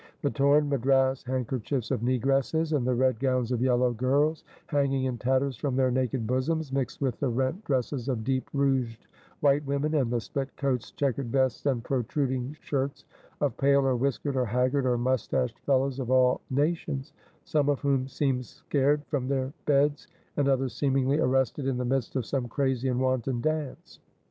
The torn Madras handkerchiefs of negresses, and the red gowns of yellow girls, hanging in tatters from their naked bosoms, mixed with the rent dresses of deep rouged white women, and the split coats, checkered vests, and protruding shirts of pale, or whiskered, or haggard, or mustached fellows of all nations, some of whom seemed scared from their beds, and others seemingly arrested in the midst of some crazy and wanton dance.